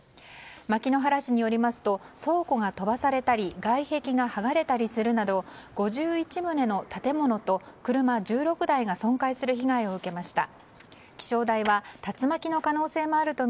牧之原市によりますと倉庫が飛ばされたり外壁が剥がれたりするなど５１棟の建物と、車１６台が損壊する被害を受けました。